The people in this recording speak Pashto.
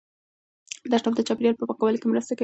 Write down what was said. تشناب د چاپیریال په پاکوالي کې مرسته کوي.